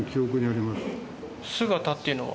姿っていうのは？